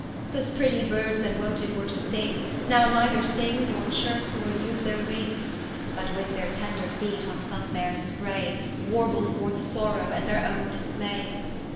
Those pretty Birds that wonted were to sing, Now neither sing, nor chirp, nor vse their wing; But with their tender feet on some bare spray, Warble forth sorrow, and their owne dismay.